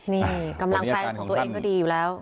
นี่กำลังใจของตัวเองก็ดีอยู่แล้ว